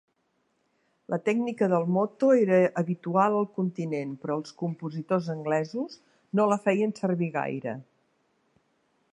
La tècnica del "motto" era habitual al continent, però els compositors anglesos no la feien servir gaire.